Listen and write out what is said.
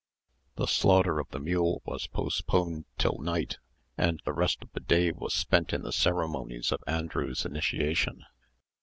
The slaughter of the mule was postponed till night, and the rest of the day was spent in the ceremonies of Andrew's initiation.